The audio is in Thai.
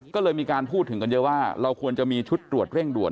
ก็เลยมีการพูดถึงกันเยอะว่าเราควรจะมีชุดตรวจเร่งด่วน